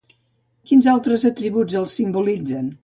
Quins altres atributs el simbolitzen?